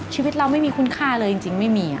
ชีวิตเราไม่มีคุณค่าเลยจริงไม่มี